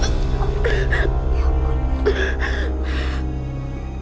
maksudnya saat mau pukul usul di belakang